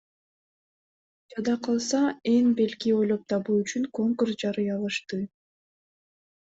Жада калса эн белги ойлоп табуу үчүн конкурс жарыялашты.